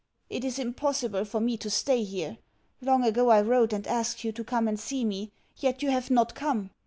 It is impossible for me to stay here. Long ago I wrote and asked you to come and see me, yet you have not come.